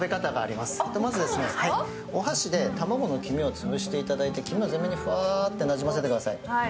まずお箸で卵の黄身をつぶしていただいて、全体にふわってなじませてください。